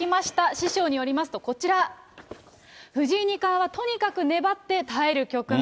師匠によりますとこちら、藤井二冠はとにかく粘って耐える局面。